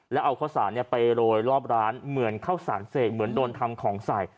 แล้วเอาข้าวสารไปโรยรอบร้านเหมือนข้าวสารเสกเหมือนโดนทำของใส่